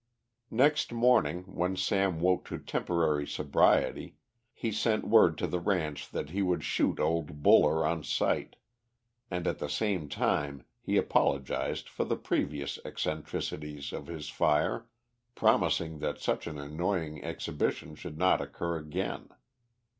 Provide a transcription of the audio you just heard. Next morning, when Sam woke to temporary sobriety, he sent word to the ranch that he would shoot old Buller on sight, and, at the same time, he apologised for the previous eccentricities of his fire, promising that such an annoying exhibition should not occur again.